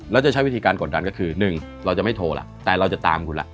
แล้วจะใช้วิธีการกดดันก็คือ๑เราจะไม่โทรล่ะแต่เราจะตามคุณล่ะ